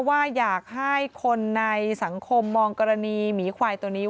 ว่าอยากให้คนในสังคมมองกรณีหมีควายตัวนี้